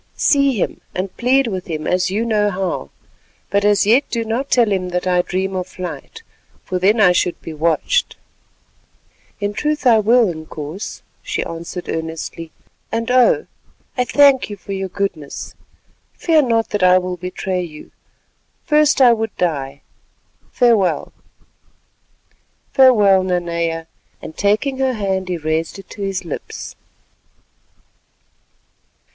See him and plead with him as you know how, but as yet do not tell him that I dream of flight, for then I should be watched." "In truth, I will, Inkoos," she answered earnestly, "and oh! I thank you for your goodness. Fear not that I will betray you—first would I die. Farewell." "Farewell, Nanea," and taking her hand he raised it to his lips.